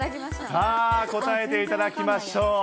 さあ、答えていただきましょう。